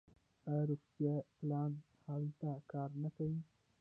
آیا روغتیاپالان هلته کار نه کوي؟